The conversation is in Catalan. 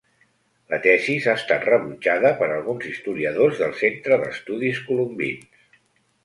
La tesi ha estat rebutjada per alguns historiadors del Centre d'Estudis Colombins.